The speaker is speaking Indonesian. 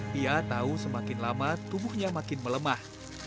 dia tahu semakin lama tubuhnya makin melemah